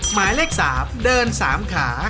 หมายเลข๓เดิน๓ขา